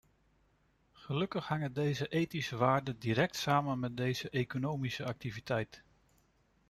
Gelukkig hangen deze esthetische waarden direct samen met deze economische activiteit.